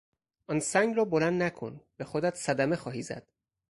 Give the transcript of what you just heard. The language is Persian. آن سنگ را بلند نکن، به خودت صدمه خواهی زد!